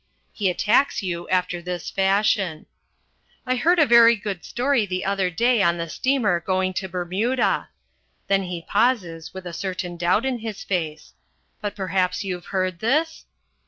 He attacks you after this fashion: "I heard a very good story the other day on the steamer going to Bermuda" then he pauses with a certain doubt in his face "but perhaps you've heard this?"